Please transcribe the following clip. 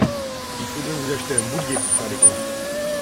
Il faudrait vous acheter un boulier pour faire les comptes